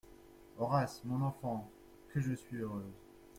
Horace !… mon enfant !… que je suis heureuse !